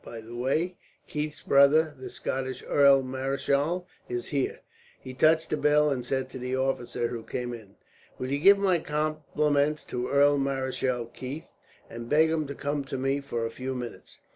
By the way, Keith's brother, the Scottish Earl Marischal, is here." He touched a bell, and said to the officer who came in: "Will you give my compliments to Earl Marischal Keith, and beg him to come to me for a few minutes."